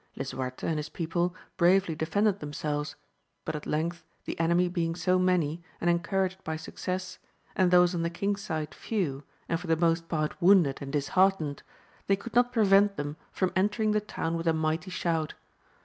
Lisuarte and his people bravely defended themselves, but at length, the enemy being so many, and encouraged by success, and those on the . king's side few, and for the most part wounded and disheartened, they could not prevent them from enter ing the town with a mighty shout.